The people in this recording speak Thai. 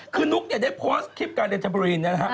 คือนุ๊กได้พอสต์คลิปการเรียนเทมโปรรีนนะครับ